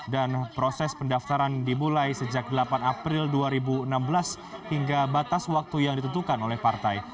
dan proses pendaftaran dibulai sejak delapan april dua ribu enam belas hingga batas waktu yang ditentukan oleh partai